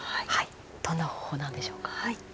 どんな方法なんでしょうか。